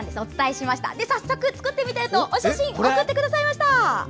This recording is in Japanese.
早速作ってみたよとお写真送ってくださいました。